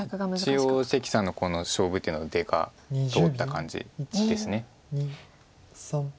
一応関さんのこの勝負手の出が通った感じです。